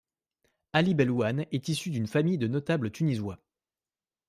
Ali Belhouane est issu d'une famille de notables tunisois.